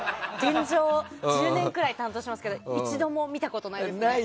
１０年くらい担当していますけど一度も見たことないですね。